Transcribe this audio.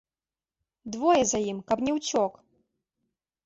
Двое за ім, каб не ўцёк!